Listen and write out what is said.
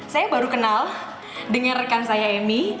saya baru kenal dengan rekan saya emy